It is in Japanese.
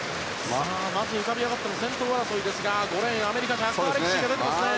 まず浮かび上がったのは先頭争いですが５レーン、アメリカのジャック・アレクシーが出てきました。